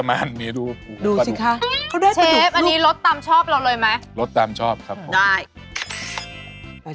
อันนี้รสตำชอบเราเลยมั้ย